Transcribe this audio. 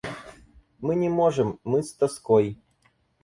Мы не можем, мы с тоской.